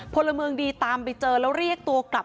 พลเมืองดีตามไปเจอแล้วเรียกตัวกลับ